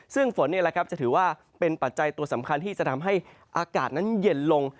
ซึ่งฝนนี่แหละครับจะถือว่าเป็นปัจจัยตัวสำคัญที่จะทำให้อากาศนั้นเย็นลง